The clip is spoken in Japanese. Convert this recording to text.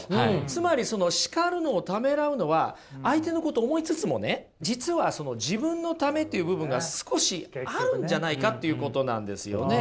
つまりその叱るのをためらうのは相手のことを思いつつもね実はその自分のためという部分が少しあるんじゃないかということなんですよね。